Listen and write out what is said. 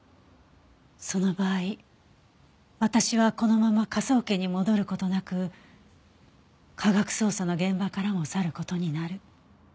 その場合私はこのまま科捜研に戻る事なく科学捜査の現場からも去る事になる。